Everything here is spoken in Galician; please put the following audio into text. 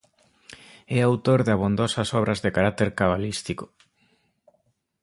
É autor de abondosas obras de carácter cabalístico.